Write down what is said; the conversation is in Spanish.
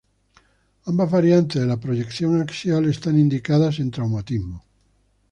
Ambas variantes de la proyección axial están indicadas en traumatismos.